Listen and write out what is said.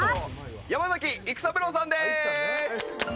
山崎育三郎さんです。